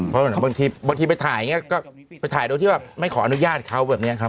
เพราะบางทีไปถ่ายอย่างนี้ก็ไปถ่ายโดยที่ไม่ขออนุญาตเขา